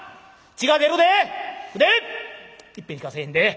血が出るで！